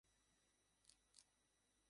আমার অক্সিজেন ফুরিয়ে আসছে!